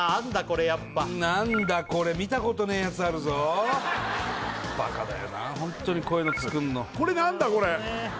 これやっぱ何だこれ見たことねえやつあるぞバカだよなホントにこういうの作るのこれ何だこれ？